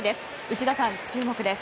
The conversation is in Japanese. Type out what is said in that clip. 内田さん、注目です。